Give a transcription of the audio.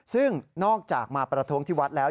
ซึ่งนอกจากมาประท้วงที่วัดแล้ว